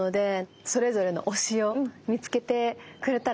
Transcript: それぞれの推しを見つけてくれたらいいなって思いましたね。